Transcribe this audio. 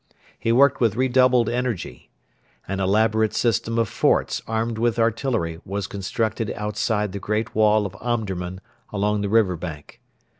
He worked with redoubled energy. An elaborate system of forts armed with artillery was constructed outside the great wall of Omdurman along the river bank.